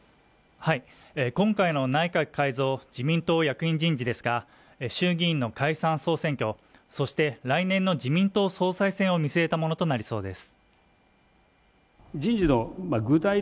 今回の内閣改造・自民党役員人事ですが衆議院の解散総選挙そして来年の自民党総裁選を見据えたものとなりそうです